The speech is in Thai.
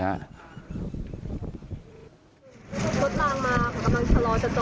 รถล่างมาผมกำลังชะลอจะจอด